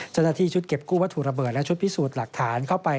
เจ้าหน้าที่ชุดเก็บกู้วัตถุระเบิดและชุดพิสูจน์หลักฐานเข้าไป